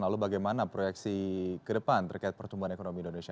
lalu bagaimana proyeksi ke depan terkait pertumbuhan ekonomi indonesia